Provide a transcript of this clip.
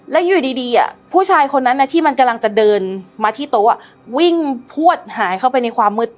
แล้วอยู่ดีผู้ชายคนนั้นที่มันกำลังจะเดินมาที่โต๊ะวิ่งพวดหายเข้าไปในความมืด